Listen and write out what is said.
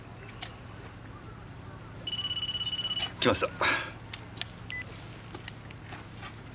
来ました。